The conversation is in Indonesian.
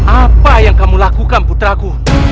apa yang kamu lakukan putraku